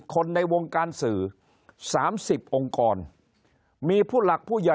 จนั้นปรากฏการณ์ที่เกิดขึ้นเมื่อวานนี้